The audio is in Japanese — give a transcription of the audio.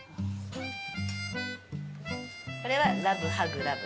これはラブハグラブ。